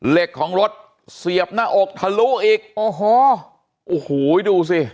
เหล็กของรถเสียบหน้าอกทะลุอีกโอ้โหโอ้โหดูสิ